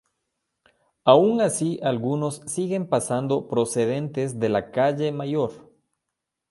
Aun así algunos siguen pasando procedentes de la calle Mayor.